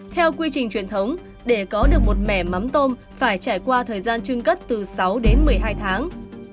theo quy trình truyền thống để có được một mẻ mắm tôm phải trải qua thời gian trưng cất từ sáu đến một mươi hai tháng